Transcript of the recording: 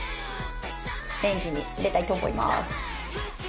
レンジに入れたいと思います。